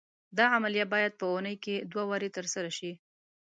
دا عملیه باید په اونۍ کې دوه وارې تر سره شي.